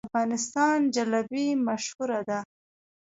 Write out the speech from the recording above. د افغانستان جلبي مشهوره ده